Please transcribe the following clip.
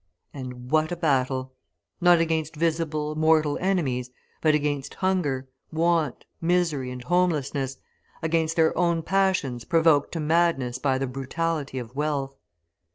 And what a battle! Not against visible, mortal enemies, but against hunger, want, misery, and homelessness, against their own passions provoked to madness by the brutality of wealth.